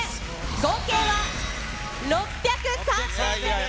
合計は６０３点です。